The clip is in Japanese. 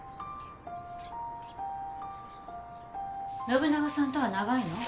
信長さんとは長いの？